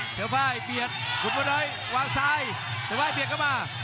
เสื้อฝ่ายเบียดคุณพลน้อยวางซ้ายเสื้อฝ่ายเบียดเข้ามา